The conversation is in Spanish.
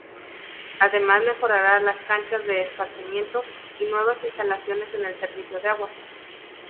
Además mejorar las canchas de esparcimiento y nuevas instalaciones en el servicio de agua.